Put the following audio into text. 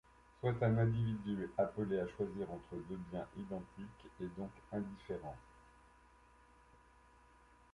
Soit un individu appelé à choisir entre deux biens identiques, et donc indifférents.